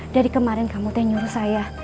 dari kemarin kamu itu yang nyuruh saya